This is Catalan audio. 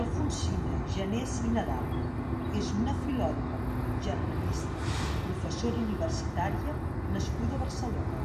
Alfonsina Janés i Nadal és una filòloga, germanista, professora universitària nascuda a Barcelona.